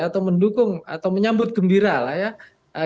atau mendukung atau menyambut gembira lah ya